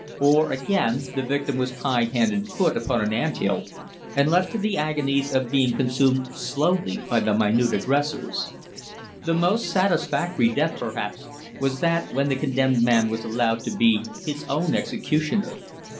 Or, again, the victim was tied hand and foot upon an ant hill, and left to the agonies of being consumed slowly by the minute aggressors. The most satisfactory death, perhaps, was that when the condemned man was allowed to be his own executioner.